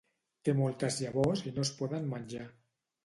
Té moltes llavors i no es poden menjar.